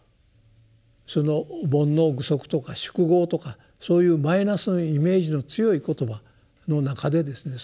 その「煩悩具足」とか「宿業」とかそういうマイナスのイメージの強い言葉の中でですね